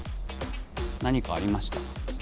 何かありました？